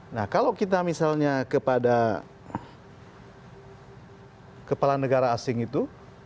nah kalau kita misalnya kepada kepala negara asing itu